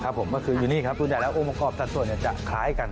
ครับผมก็คืออยู่นี่ครับทุนใหญ่แล้วอะอมกรอบสัดส่วนจะคล้ายกัน